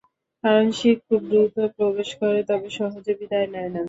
কারণ, শীত খুব দ্রুত প্রবেশ করে, তবে সহজে বিদায় নেয় না।